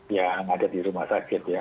yang ada di rumah sakit ya